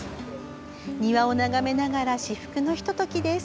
庭を眺めながら至福のひと時です。